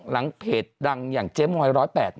หลังเพจดังอย่างเจมส์ไหม้๑๐๘